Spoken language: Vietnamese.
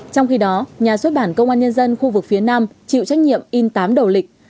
trong khi đó nhà xuất bản công an nhân dân khu vực phía nam chịu trách nhiệm in tám đầu lịch